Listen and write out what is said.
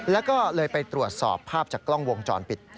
แล้วก็เลยไปตรวจสอบภาพจากกล้องวงจรปิด